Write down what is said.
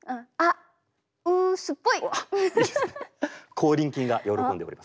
口輪筋が喜んでおります。